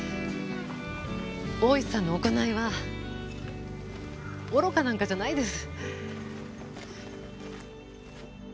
大石さんの行いは愚かなんかじゃないです。